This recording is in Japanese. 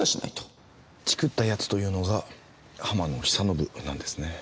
チクった奴というのが浜野久信なんですね。